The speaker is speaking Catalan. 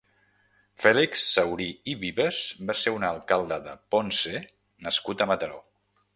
Fèlix Saurí i Vivas va ser un alcalde de Ponce nascut a Mataró.